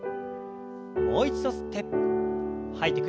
もう一度吸って吐いて。